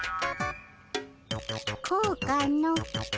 こうかの？